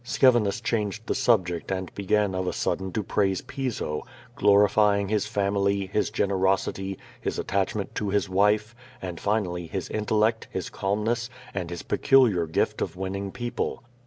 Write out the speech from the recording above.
Scevinus changed the subject, and began of a suddek to praise Piso, glorifying his family, his generosity. His atta< ment to his wife, and finally his intellect, his calmness, and his peculiar gift of winning people.